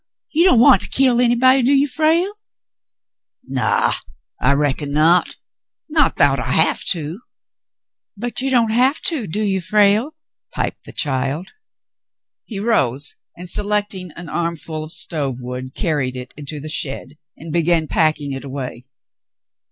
You don't want to kill anybody, do you, Frale ?" "Naw — I reckon not ; not 'thout I have to." "But you don't have to, do you, Frale?" piped the child. He rose, and selecting an armful of stove wood carried it into the shed and began packing it away.